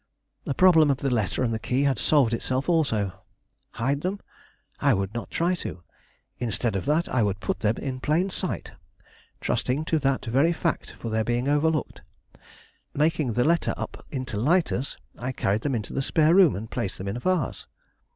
The problem of the letter and key had solved itself also. Hide them? I would not try to! Instead of that I would put them in plain sight, trusting to that very fact for their being overlooked. Making the letter up into lighters, I carried them into the spare room and placed them in a vase.